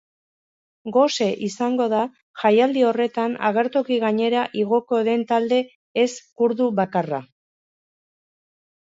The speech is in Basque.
Gose izango da jaialdi horretan agertoki gainera igoko den talde ez-kurdu bakarra.